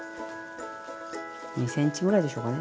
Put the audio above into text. ２ｃｍぐらいでしょうかね？